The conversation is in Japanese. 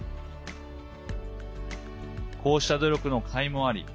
こうした努力のかいもあり